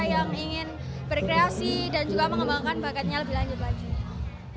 yang ingin berkreasi dan juga mengembangkan bagiannya lebih lanjut